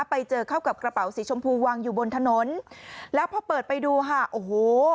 ไปเจอเข้ากับกระเป๋าสีชมพูวางอยู่บนถนนแล้วพอเปิดไปดูค่ะโอ้โห